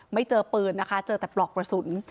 ไม่เจอปืนเจอแต่ปลอกกระสุน